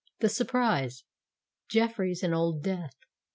THE SURPRISE.—JEFFREYS AND OLD DEATH.